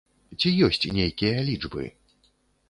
Ці ёсць нейкія лічбы?